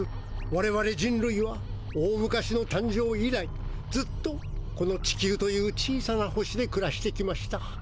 われわれ人るいは大昔のたん生以来ずっとこの地球という小さな星でくらしてきました。